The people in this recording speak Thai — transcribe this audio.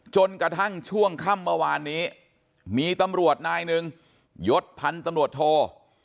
จนกระทั่งช่วงค่ำเมื่อวานนี้มีตำรวจนายหนึ่งยดพันธุ์ตำรวจโท